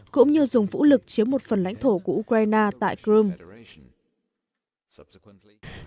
cũng như dùng vũ lực chiếm một phần lãnh thổ của ukraine tại crimea